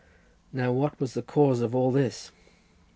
Now what was the cause of all this?